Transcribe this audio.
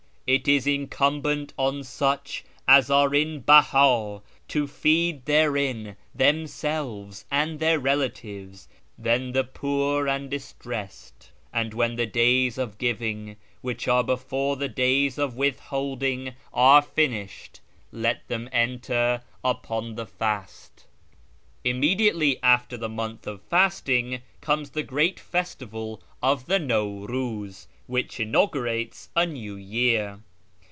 It is incumbent on such as are in Behd to feed therein themselves, and their relatives; then the poor and distressed. ... And when the days of giving [which arel before the days of withholding are finished, let them enter xipon the fast" Immediately after the month of fasting comes the great festival of the Nawruz, which inaugurates a new year.